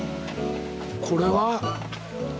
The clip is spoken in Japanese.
これは？